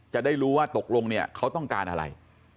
จะได้รู้ว่าตกลงเนี่ยเขาต้องการอะไร